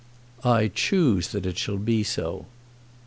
"I choose that it shall be so."